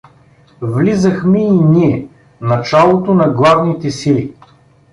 Влизахме и ние — началото на главните сили.